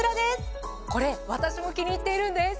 これ私も気に入っているんです。